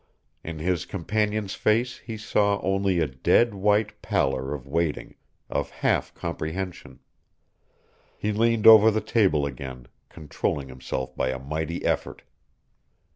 In his companion's face he saw only a dead white pallor of waiting, of half comprehension. He leaned over the table again, controlling himself by a mighty effort.